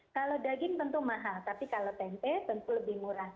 kalau daging tentu mahal tapi kalau tempe tentu lebih murah